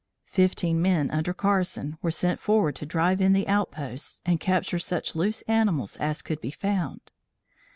Fifteen men under Carson were sent forward to drive in the outposts and capture such loose animals as could be found.